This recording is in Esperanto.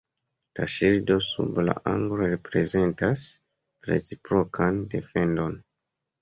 La ŝildo sub la aglo reprezentas la reciprokan defendon.